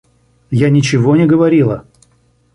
Я ничего не говорила!